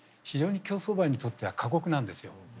非常に競走馬にとっては過酷なんですよ。